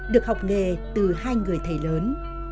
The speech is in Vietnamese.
được học nghề từ hai người thầy lớn